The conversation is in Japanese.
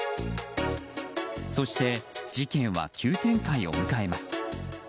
そして事件は急展開を迎えます。